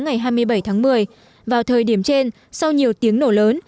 ngày hai mươi bảy tháng một mươi vào thời điểm trên sau nhiều tiếng nổ lớn